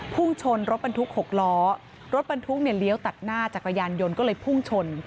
พุ่งชนรถบรรทุก๖ล้อรถบรรทุกเนี่ยเลี้ยวตัดหน้าจักรยานยนต์ก็เลยพุ่งชน